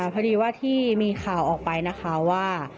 พอดีว่าที่มีข่าวออกไปนะคะว่า